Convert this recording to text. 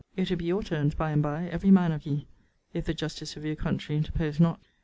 It will be your turns by and by, every man of ye, if the justice of your country interpose not.